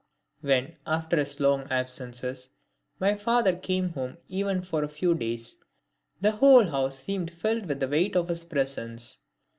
When, after his long absences, my father came home even for a few days, the whole house seemed filled with the weight of his presence.